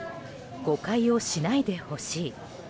誤解をしないでほしい。